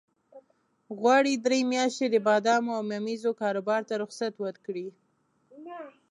غواړي درې میاشتې د بادامو او ممیزو کاروبار ته رخصت ورکړي.